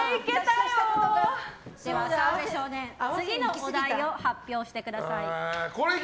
澤部少年次のお題を発表してください。